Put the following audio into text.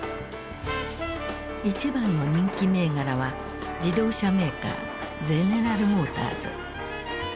一番の人気銘柄は自動車メーカーゼネラル・モーターズ。